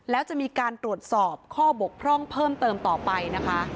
แล้วจะมีการตรวจสอบข้อบกพร่องเพิ่มเติมต่อไปนะคะ